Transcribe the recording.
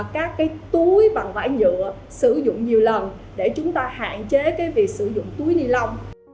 các túi bằng vải nhựa sử dụng nhiều lần để chúng ta hạn chế việc sử dụng túi ni lông